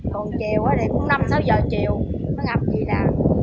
còn chiều thì cũng năm sáu giờ chiều nó ngập gì nè